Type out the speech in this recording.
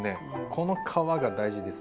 この皮が大事ですね。